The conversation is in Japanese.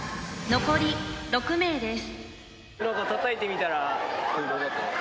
残り６名です。